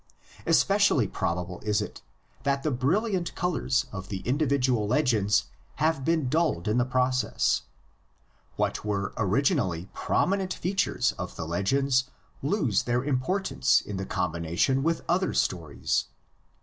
Especially probable is it that the brilliant colors of the indi vidual legends have been dulled in the process: what were originally prominent features of the legends lose their importance in the combination with other stories (^Commentary, p.